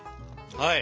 はい。